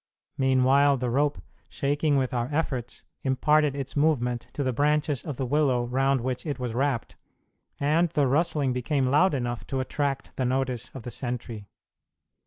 Meanwhile, the rope, shaking with our efforts, imparted its movement to the branches of the willow round which it was wrapped, and the rustling became loud enough to attract the notice of the sentry.